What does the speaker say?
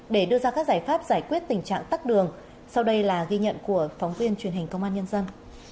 để đưa ra các giải pháp giải quyết tình trạng tắt đường sau đây là ghi nhận của phóng viên truyền hình công an nhân dân